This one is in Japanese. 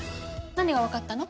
何がわかったの？